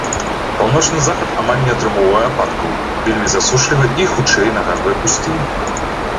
Паўночны захад амаль не атрымоўвае ападкаў, вельмі засушлівы і, хутчэй, нагадвае пустыню.